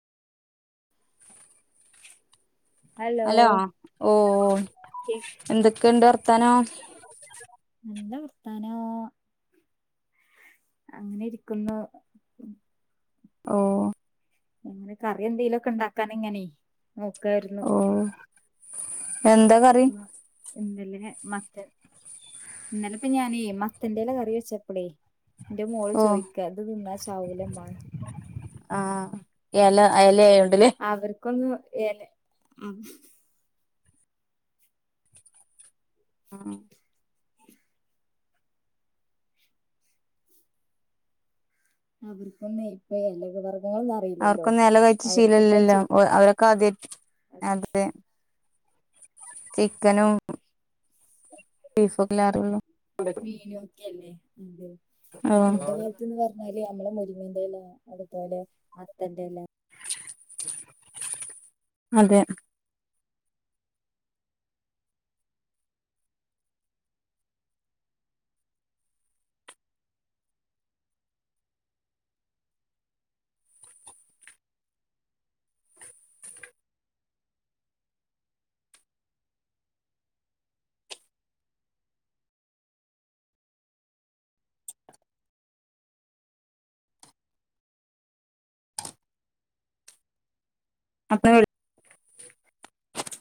hello ഓ എന്തൊക്കെയൊണ്ട് വർത്താനം നല്ല വർത്താനോ അങ്ങനെ ഇരിക്കുന്നു ഓ ഇന്ന് കറി എന്തേലും ഒക്കെ ഒണ്ടാക്കാന്നിങ്ങനേ നോക്ക്വാരുന്നു ഓ എന്താ കറി എന്തേലും ഞാൻ മത്തൻ ഇന്നലെ ഇപ്പ ഞാനേ മത്തന്റെല കറി വെച്ചപ്പളേ എന്റെ മോള് ഓ ചോയ്ക്കാ ഇത് തിന്നാ ചാവൂലേമ്മാ ന്ന് ആഹ് എല എലയായോണ്ട്ല്ലേ അവർക്കൊന്നും എല ഉം ഉം അവർക്കൊന്നും ഇപ്പ എല വർഗ്ഗങ്ങള് അവർക്കൊന്നും എല കഴിച്ച് ശീലവില്ലല്ലോ അവരൊക്കെ ആദ്യായ് അതെ ചിക്കനും ബീഫൊക്കെല്ലാറുള്ളൂ മീനും ഒക്കെല്ലേ അതെ പണ്ട് ഓ കാലത്ത് ത്ത്ന്ന് പറഞ്ഞാല് നമ്മള് മുരിങ്ങേന്റെല അതുപോലെ മത്തന്റെല അതെ അപ്പ അവര്